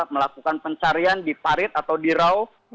melakukan pencarian di parit atau di rauh